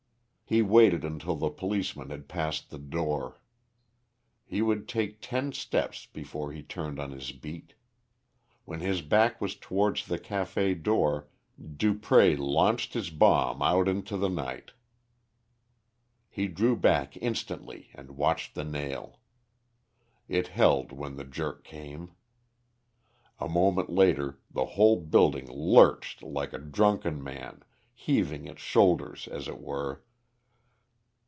He waited until the policeman had passed the door. He would take ten steps before he turned on his beat. When his back was towards the café door Dupré launched his bomb out into the night. [Illustration: DUPRÉ LAUNCHED HIS BOMB OUT INTO THE NIGHT] He drew back instantly and watched the nail. It held when the jerk came. A moment later the whole building lurched like a drunken man, heaving its shoulders as it were.